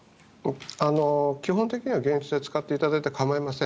基本的には解熱剤使っていただいて構いません。